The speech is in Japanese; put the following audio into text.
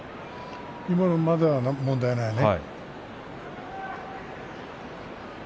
今は、まだ問題ないね。